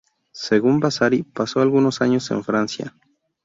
Según Vasari, pasó algunos años en Francia.